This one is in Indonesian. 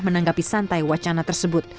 menanggapi santai wacana tersebut